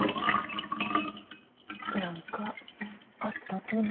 何かあったとね？